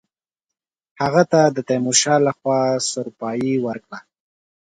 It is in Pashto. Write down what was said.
هغه ته د تیمورشاه له خوا سروپايي ورکړه.